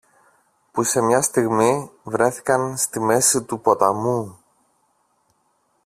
που σε μια στιγμή βρέθηκαν στη μέση του ποταμού